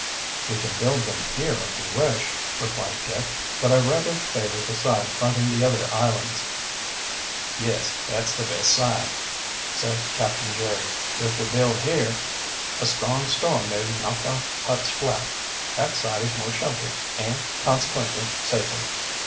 "We can build them here, if we wish," replied Dick. "But I rather favor the side fronting the other islands." "Yes, that's the best side," said Captain Jerry. "If we build here, a strong storm may knock our huts flat. That side is more sheltered and, consequently, safer.